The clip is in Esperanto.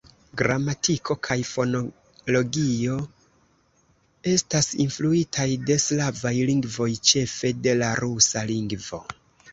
Gramatiko kaj fonologio estas influitaj de slavaj lingvoj, ĉefe de la rusa lingvo.